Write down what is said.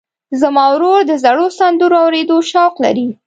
زما ورور د زړو سندرو اورېدو شوق لري.